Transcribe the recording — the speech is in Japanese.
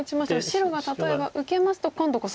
白が例えば受けますと今度こそ。